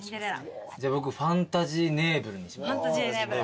じゃあ僕ファンタジーネーブルにします。